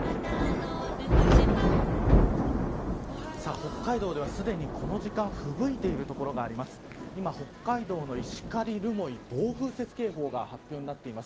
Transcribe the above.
北海道では、すでにこの時間ふぶいている所があります。